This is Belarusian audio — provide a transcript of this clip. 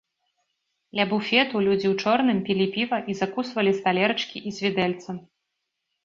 Ля буфету людзі ў чорным пілі піва і закусвалі з талерачкі і з відэльцам.